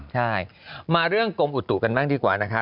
ใช่มาเรื่องกรมอุตุกันบ้างดีกว่านะคะ